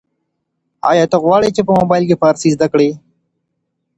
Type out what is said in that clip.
ایا ته غواړې چي په موبایل کي فارسي زده کړې؟